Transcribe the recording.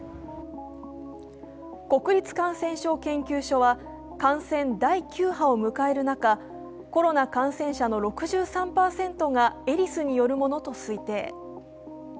国立感染症研究所は感染第９波を迎える中、コロナ感染者の６３％がエリスによるものと推定。